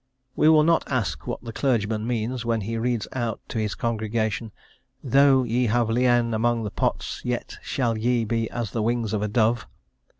we will not ask what the clergyman means when he reads out to his congregation: "Though ye have lien among the pots, yet shall ye be as the wings of a dove."